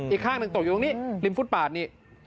อีกข้างหนึ่งตกอยู่ตรงนี้ริมฟุตปาดนี่